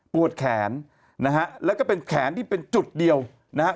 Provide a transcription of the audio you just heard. แขนนะฮะแล้วก็เป็นแขนที่เป็นจุดเดียวนะฮะ